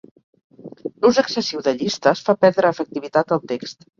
L'ús excessiu de llistes fa perdre efectivitat al text.